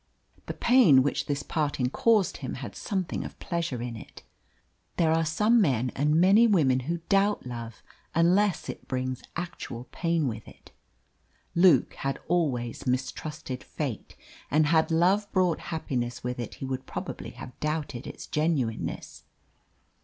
The pain which this parting caused him had something of pleasure in it. There are some men and many women who doubt love unless it bring actual pain with it. Luke had always mistrusted fate, and had love brought happiness with it he would probably have doubted its genuineness.